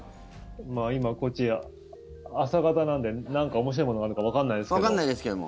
まあ、今こっち朝方なんで何か面白いものあるかわかんないですけど。